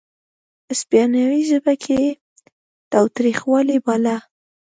هسپانوي ژبه کې یې تاوتریخوالی باله.